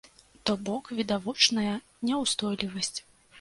То бок відавочная няўстойлівасць.